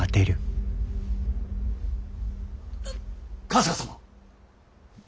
春日様？